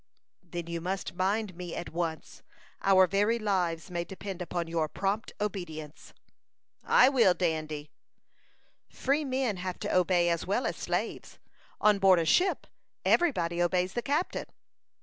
"Then you must mind me at once. Our very lives may depend upon your prompt obedience." "I will, Dandy." "Free men have to obey, as well as slaves. On board a ship, every body obeys the captain."